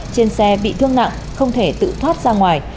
trên xe bị thương nặng không thể tự thoát ra ngoài